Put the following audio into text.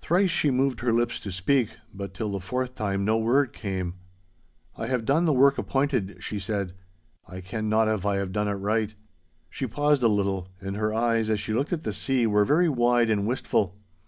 Thrice she moved her lips to speak, but till the fourth time no word came. 'I have done the work appointed,' she said, 'I ken not if I have done it right.' She paused a little, and her eyes, as she looked at the sea, were very wide and wistful.